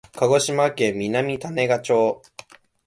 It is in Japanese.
鹿児島県南種子町